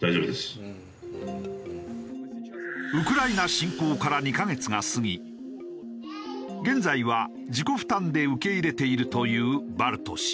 ウクライナ侵攻から２カ月が過ぎ現在は自己負担で受け入れているという把瑠都氏。